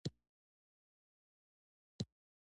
اوو د صمد مورې دا دروازه چا ټکوله!!